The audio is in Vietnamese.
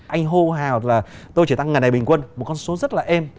anh hô hào là tôi chỉ tăng ngày này bình quân một con số rất là êm